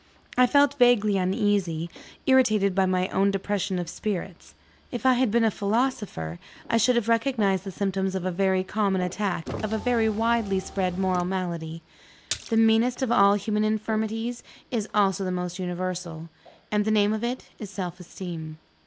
I felt vaguely uneasy; irritated by my own depression of spirits. If I had been a philosopher, I should have recognized the symptoms of a very common attack of a very widely spread moral malady. The meanest of all human infirmities is also the most universal; and the name of it is Self esteem.